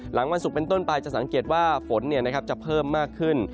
วันศุกร์เป็นต้นไปจะสังเกตว่าฝนจะเพิ่มมากขึ้น